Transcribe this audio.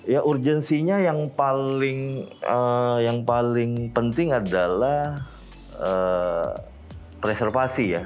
ya urgensinya yang paling penting adalah preservasi ya